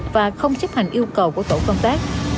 và không chấp hành yêu cầu của tổ công tác